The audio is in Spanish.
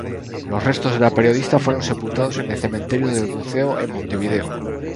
Los restos de la periodista fueron sepultados en el Cementerio del Buceo en Montevideo.